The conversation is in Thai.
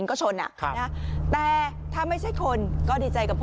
นี่นี่นี่นี่นี่นี่นี่นี่นี่นี่